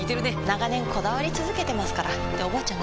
長年こだわり続けてますからっておばあちゃん